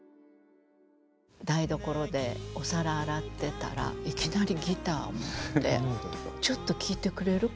台所でお皿洗ってたらいきなりギターを持って「ちょっと聴いてくれる？